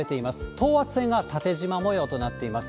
等圧線が縦じま模様となっています。